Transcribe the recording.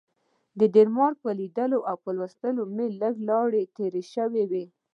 د ډنمارک په لیدلو او لوستلو سره مې لږې لاړې تیرې شوې.